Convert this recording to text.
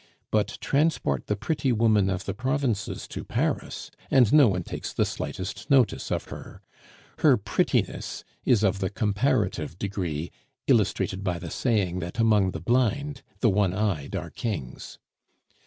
But transport the pretty woman of the provinces to Paris, and no one takes the slightest notice of her; her prettiness is of the comparative degree illustrated by the saying that among the blind the one eyed are kings.